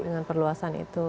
dengan perluasan itu